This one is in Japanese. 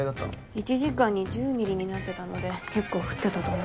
１時間に１０ミリになってたので結構降ってたと思います